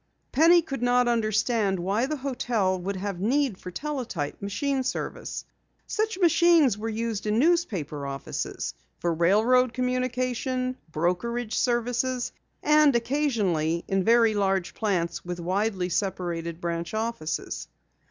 Penny could not understand why the hotel would have need for teletype machine service. Such machines were used in newspaper offices, for railroad communication, brokerage service, and occasionally in very large plants with widely separated branch offices.